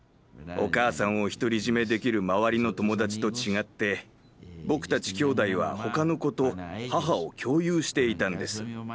お母さんを独り占めできる周りの友達と違って僕たちきょうだいは他の子と母を共有していたんです。